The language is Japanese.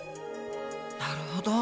なるほど。